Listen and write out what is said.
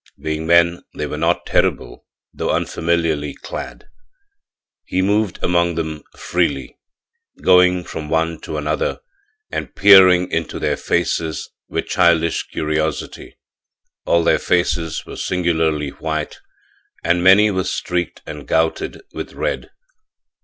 Being men, they were not terrible, though unfamiliarly clad. He moved among them freely, going from one to another and peering into their faces with childish curiosity. All their faces were singularly white and many were streaked and gouted with red.